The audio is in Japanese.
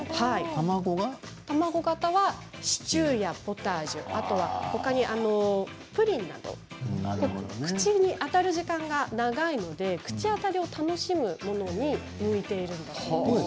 卵型はシチューやポタージュ、プリンなど口に当たる時間が長いので口当たりを楽しむものに向いているということです。